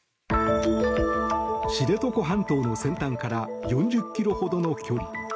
知床半島の先端から４０ｋｍほどの距離。